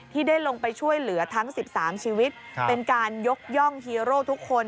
ที่ได้ลงไปช่วยเหลือทั้ง๑๓ชีวิตเป็นการยกย่องฮีโร่ทุกคน